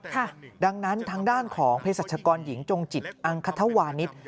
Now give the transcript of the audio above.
ค่ะดังนั้นทางด้านของเพศรัชกรหญิงจงจิตอังคธวานิส